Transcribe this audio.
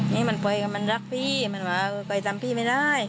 นี่มันไปก็มันรักพี่มันว่าก็ไปตามพี่ไม่ได้